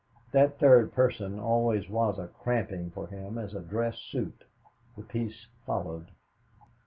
That third person always was a cramping for him as a dress suit." The piece followed.